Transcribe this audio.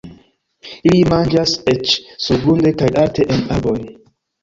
Ili manĝas eĉ surgrunde kaj alte en arboj.